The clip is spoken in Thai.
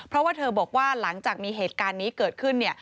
เพราะว่าเธอบอกว่าหลังจากมีเหตุการณ์นี้เกิดขึ้นเนี่ย